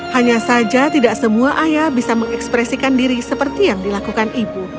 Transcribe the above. hanya saja tidak semua ayah bisa mengekspresikan diri seperti yang dilakukan ibu